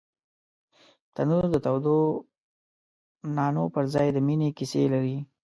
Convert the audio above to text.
تنور د تودو نانو پر ځای د مینې کیسې لري